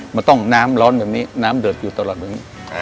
มันต้องน้ำร้อนแบบนี้น้ำเดิดอยู่ตลอดแบบนี้